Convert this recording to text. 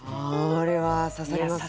これは刺さりますね。